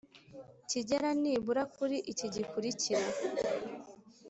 kigera nibura kuri iki gikurikira.